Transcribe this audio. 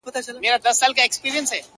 ژوند در ډالۍ دى تاته ـ